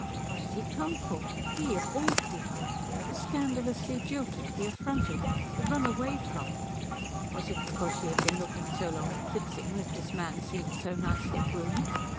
What had he come for? He of all people. The scandalously jilted, the affronted, the run away from. Was it because she had been looking so long at Fritzing that this man seemed so nicely groomed?